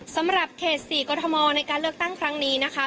สำหรับเขต๔กรทมในการเลือกตั้งครั้งนี้นะคะ